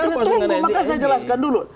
saya tunggu maka saya jelaskan dulu